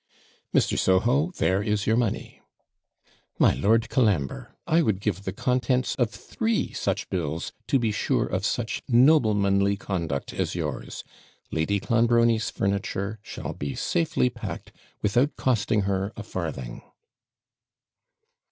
'Mr. Soho, there is your money!' 'My Lord Colambre! I would give the contents of three such bills to be sure of such noblemanly conduct as yours. Lady Clonbrony's furniture shall be safely packed, without costing her a farthing.'